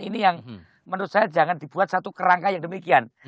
ini yang menurut saya jangan dibuat satu kerangka yang demikian